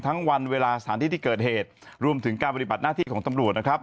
วันเวลาสถานที่ที่เกิดเหตุรวมถึงการปฏิบัติหน้าที่ของตำรวจนะครับ